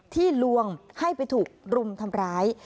ลวงให้ไปถูกรุมทำร้าย